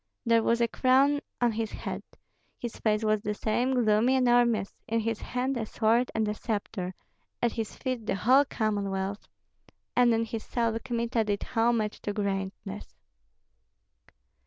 There was a crown on his head; his face was the same, gloomy, enormous; in his hand a sword and a sceptre, at his feet the whole Commonwealth. And in his soul Kmita did homage to greatness.